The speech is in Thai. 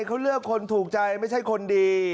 เขาเลือกคนถูกใจไม่ใช่คนดี